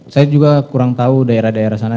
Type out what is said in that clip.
saya juga kurang tahu daerah daerah sana